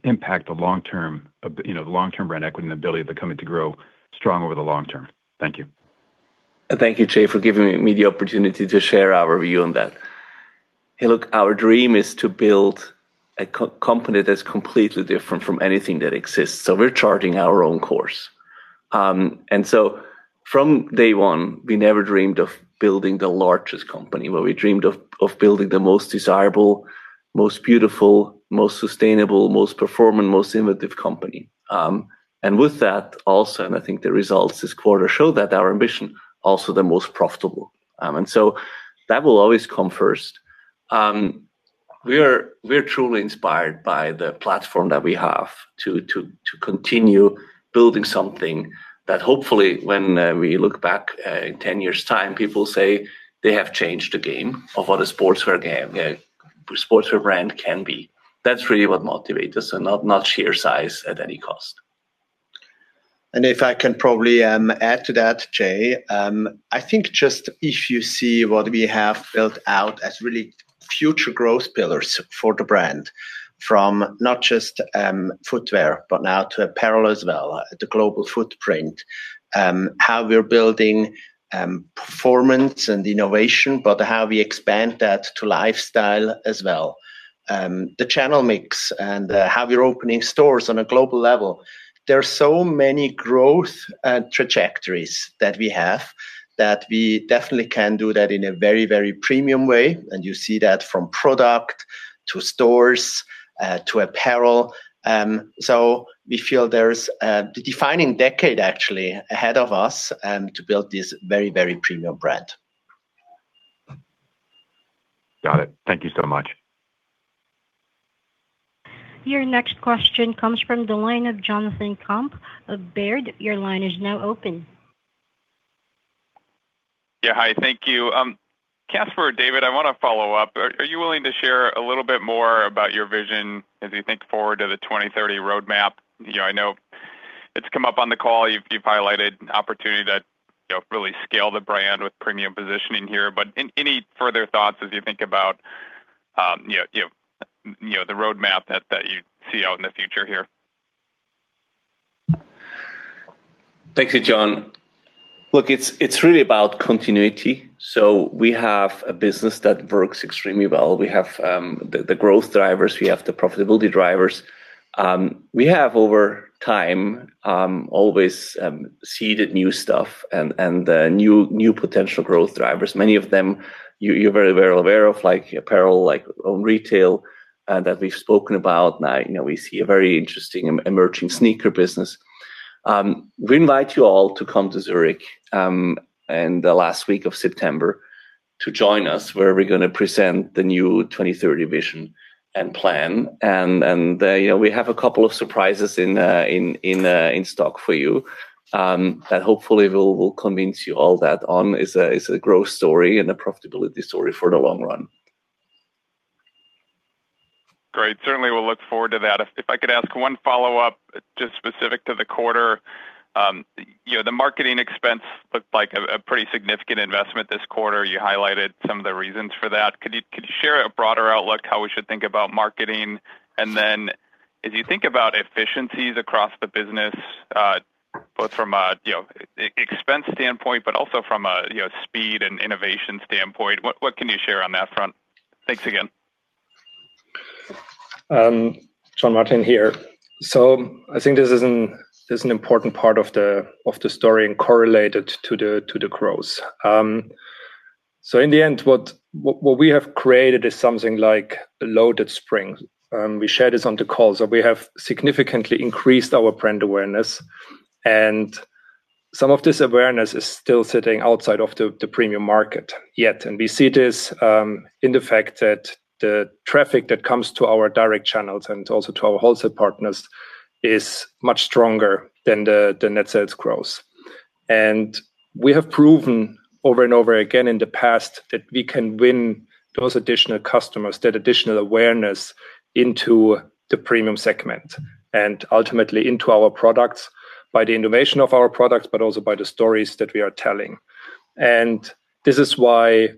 I: impact the long term of the, you know, the long-term brand equity and ability of the company to grow strong over the long term? Thank you.
C: Thank you, Jay, for giving me the opportunity to share our view on that. Hey, look, our dream is to build a company that's completely different from anything that exists, so we're charting our own course. From day one, we never dreamed of building the largest company. What we dreamed of building the most desirable, most beautiful, most sustainable, most performant, most innovative company. With that also, and I think the results this quarter show that, our ambition, also the most profitable. That will always come first. We're truly inspired by the platform that we have to continue building something that hopefully when we look back in 10 years' time, people say, they have changed the game of what a sportswear brand can be. That's really what motivates us and not sheer size at any cost.
D: If I can probably add to that, Jay. I think just if you see what we have built out as really future growth pillars for the brand from not just footwear, but now to apparel as well, the global footprint, how we're building performance and innovation, but how we expand that to lifestyle as well. The channel mix and how we're opening stores on a global level. There are so many growth trajectories that we have that we definitely can do that in a very, very premium way, and you see that from product to stores, to apparel. We feel there's the defining decade actually ahead of us to build this very, very premium brand.
I: Got it. Thank you so much.
A: Your next question comes from the line of Jonathan Komp of Baird.
J: Yeah. Hi, thank you. Caspar, David, I wanna follow up. Are you willing to share a little bit more about your vision as you think forward to the 2030 roadmap? You know, I know it's come up on the call. You've highlighted opportunity to, you know, really scale the brand with premium positioning here. Any further thoughts as you think about, you know, the roadmap that you see out in the future here?
C: Thank you, John. Look, it's really about continuity. We have a business that works extremely well. We have the growth drivers. We have the profitability drivers. We have over time always seeded new stuff and new potential growth drivers. Many of them you're very well aware of, like apparel, like retail, that we've spoken about. Now, you know, we see a very interesting emerging sneaker business. We invite you all to come to Zurich in the last week of September to join us, where we're gonna present the new 2030 vision and plan. You know, we have a couple of surprises in stock for you, that hopefully will convince you all that On is a growth story and a profitability story for the long run.
J: Great. Certainly we'll look forward to that. If I could ask one follow-up just specific to the quarter. You know, the marketing expense looked like a pretty significant investment this quarter. You highlighted some of the reasons for that. Could you share a broader outlook how we should think about marketing? Then as you think about efficiencies across the business, both from a, you know, expense standpoint but also from a, you know, speed and innovation standpoint, what can you share on that front? Thanks again.
D: John, Martin here. I think this is an important part of the story and correlated to the growth. In the end, what we have created is something like a loaded spring. We shared this on the call. We have significantly increased our brand awareness, and some of this awareness is still sitting outside of the premium market yet. We see this in the fact that the traffic that comes to our direct channels and also to our wholesale partners is much stronger than the net sales growth. We have proven over and over again in the past that we can win those additional customers, that additional awareness into the premium segment and ultimately into our products by the innovation of our products, but also by the stories that we are telling. This is why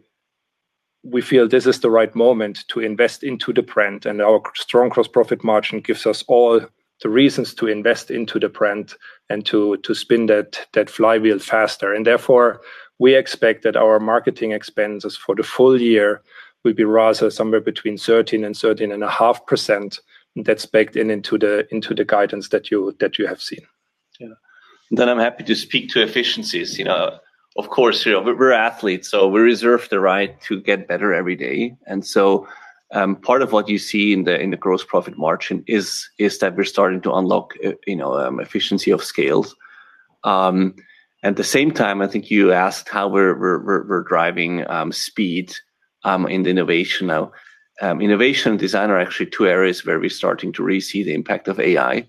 D: we feel this is the right moment to invest into the brand. Our strong gross profit margin gives us all the reasons to invest into the brand and to spin that flywheel faster. Therefore, we expect that our marketing expenses for the full year will be rather somewhere between 13% and 13.5%. That is baked in into the guidance that you have seen.
C: Yeah. I'm happy to speak to efficiencies. You know, of course, you know, we're athletes, so we reserve the right to get better every day. Part of what you see in the gross profit margin is that we're starting to unlock, you know, efficiency of scale. At the same time, I think you asked how we're driving speed in the innovation now. Innovation and design are actually two areas where we're starting to really see the impact of AI,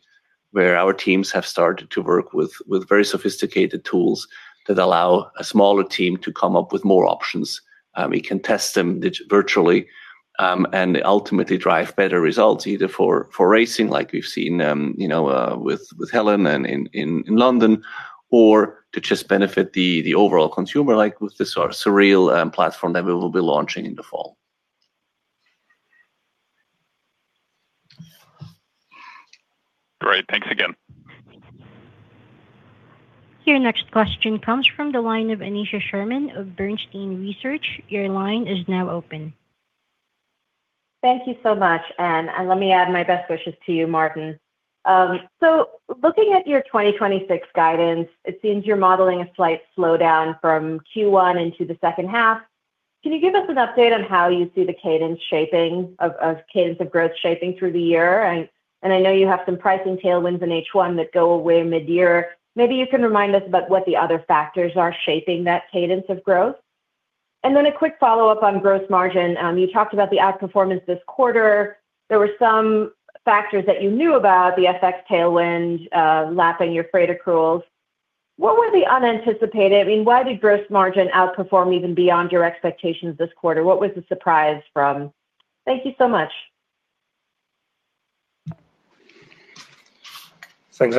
C: where our teams have started to work with very sophisticated tools that allow a smaller team to come up with more options. We can test them virtually, and ultimately drive better results either for racing, like we've seen, you know, with Hellen Obiri and in London, or to just benefit the overall consumer, like with this, our SURREAL platform that we will be launching in the fall.
J: Great. Thanks again.
A: Your next question comes from the line of Aneesha Sherman of Bernstein Research. Your line is now open.
K: Thank you so much. Let me add my best wishes to you, Martin. Looking at your 2026 guidance, it seems you're modeling a slight slowdown from Q1 into the second half. Can you give us an update on how you see the cadence of growth shaping through the year? I know you have some pricing tailwinds in H1 that go away mid-year. Maybe you can remind us about what the other factors are shaping that cadence of growth. Then a quick follow-up on gross margin. You talked about the outperformance this quarter. There were some factors that you knew about, the FX tailwind, lapping your freight accruals. What were the unanticipated? I mean, why did gross margin outperform even beyond your expectations this quarter? What was the surprise from? Thank you so much.
D: Thanks,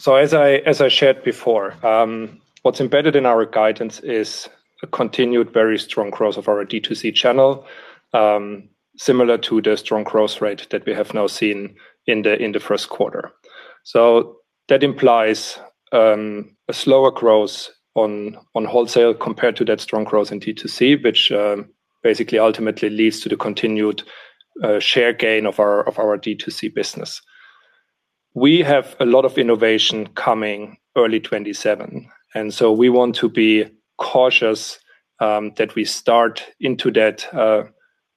D: Aneesha. As I shared before, what's embedded in our guidance is a continued very strong growth of our D2C channel, similar to the strong growth rate that we have now seen in the first quarter. That implies a slower growth on wholesale compared to that strong growth in D2C, which basically ultimately leads to the continued share gain of our D2C business. We have a lot of innovation coming early 2027, we want to be cautious that we start into that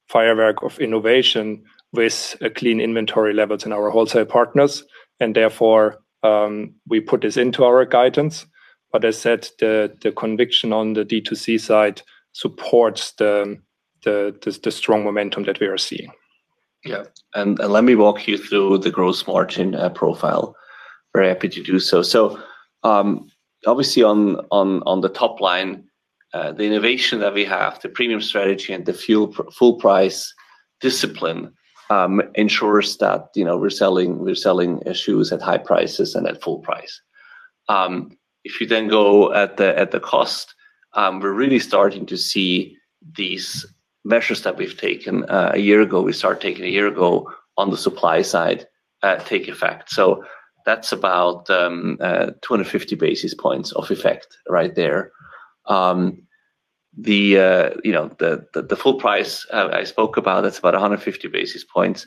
D: firework of innovation with clean inventory levels in our wholesale partners. We put this into our guidance. As said, the conviction on the D2C side supports the strong momentum that we are seeing.
C: Yeah. Let me walk you through the gross margin profile. Very happy to do so. Obviously on the top line, the innovation that we have, the premium strategy and the full price discipline ensures that, you know, we're selling our shoes at high prices and at full price. If you then go at the cost, we're really starting to see these measures that we've taken a year ago. We started taking a year ago on the supply side take effect. That's about 250 basis points of effect right there. The, you know, the full price I spoke about, that's about 150 basis points.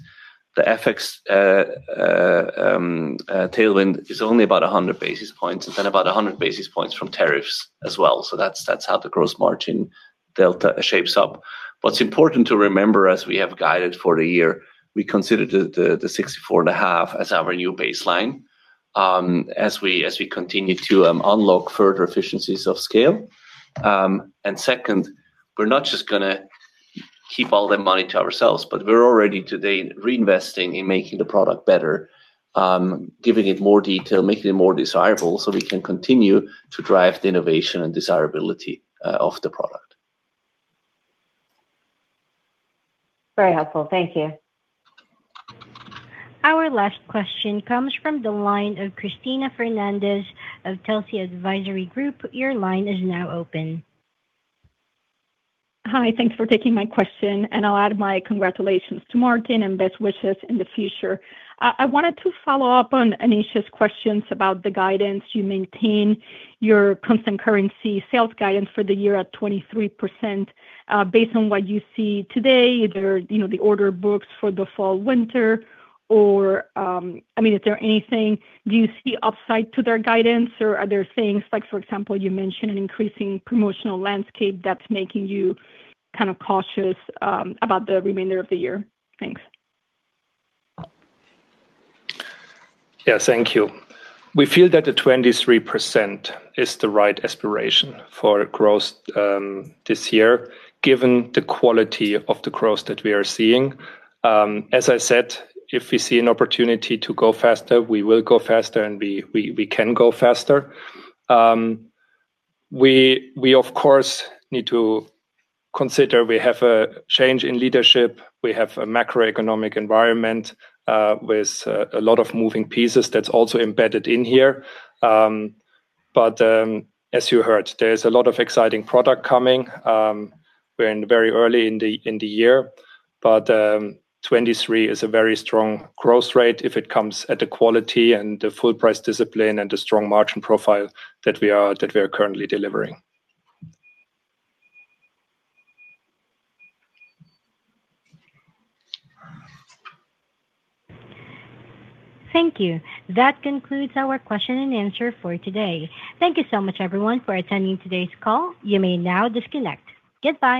C: The FX tailwind is only about 100 basis points. It's about 100 basis points from tariffs as well. That's how the gross margin delta shapes up. What's important to remember as we have guided for the year, we consider the 64.5 as our new baseline, as we continue to unlock further efficiencies of scale. Second, we're not just gonna keep all that money to ourselves, but we're already today reinvesting in making the product better, giving it more detail, making it more desirable, so we can continue to drive the innovation and desirability of the product.
K: Very helpful. Thank you.
A: Our last question comes from the line of Cristina Fernández of Telsey Advisory Group. Your line is now open.
L: Hi. Thanks for taking my question, and I'll add my congratulations to Martin and best wishes in the future. I wanted to follow up on Aneesha's questions about the guidance. You maintain your constant currency sales guidance for the year at 23%. Based on what you see today, either, you know, the order books for the fall/winter or, I mean, do you see upside to their guidance or are there things like, for example, you mentioned an increasing promotional landscape that's making you kind of cautious about the remainder of the year? Thanks.
D: Yeah. Thank you. We feel that the 23% is the right aspiration for growth this year, given the quality of the growth that we are seeing. As I said, if we see an opportunity to go faster, we will go faster and we can go faster. We of course need to consider we have a change in leadership. We have a macroeconomic environment with a lot of moving pieces that's also embedded in here. As you heard, there's a lot of exciting product coming. We're in very early in the year, but 23 is a very strong growth rate if it comes at the quality and the full price discipline and the strong margin profile that we are currently delivering.
A: Thank you. That concludes our question and answer for today. Thank you so much everyone for attending today's call. You may now disconnect. Goodbye.